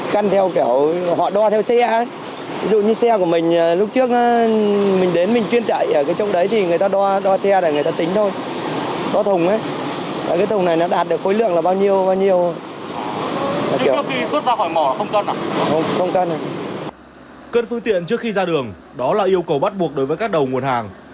cân phương tiện trước khi ra đường đó là yêu cầu bắt buộc đối với các đầu nguồn hàng